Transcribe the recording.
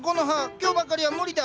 今日ばかりは無理だ。